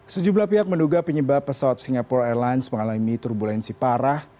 sejumlah pihak menduga penyebab pesawat singapore airlines mengalami turbulensi parah